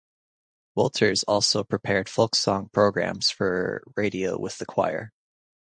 Wolters also prepared folksong programmes for radio with the choir.